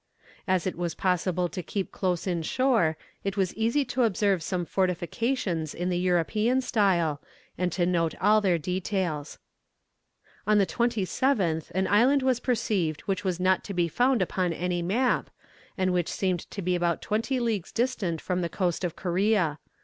As it was possible to keep close in shore, it was easy to observe some fortifications in the European style, and to note all their details. On the 27th an island was perceived which was not to be found upon any map, and which seemed to be about twenty leagues distant from the coast of Corea.